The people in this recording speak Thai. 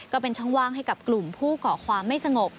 ก็เป็นช่องว่างให้กับกลุ่มผู้เกาะความไม่สงบ